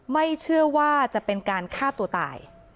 ไม่เชื่อว่าจะเป็นการฆ่าตัวตาย